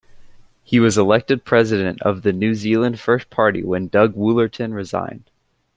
He was elected President of the New Zealand First party when Doug Woolerton resigned.